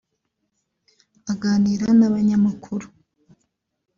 Aganira n’abanyamakuru